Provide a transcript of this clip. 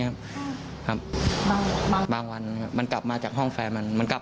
ครับครับบางวันมันกลับมาจากห้องแฟนมันมันกลับ